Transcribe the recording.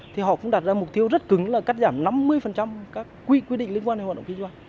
thì họ cũng đặt ra mục tiêu rất cứng là cắt giảm năm mươi các quy định liên quan đến hoạt động kinh doanh